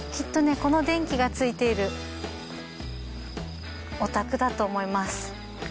この電気がついているお宅だと思います。